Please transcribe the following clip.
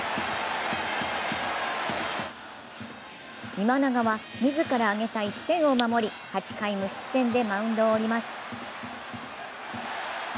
今永は自らあげた１点を守り８回無失点でマウンドを降ります。